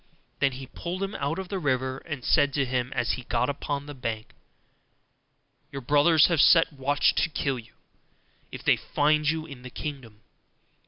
Then he pulled him out of the river, and said to him, as he got upon the bank, 'Your brothers have set watch to kill you, if they find you in the kingdom.